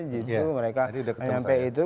g dua mereka nyampe itu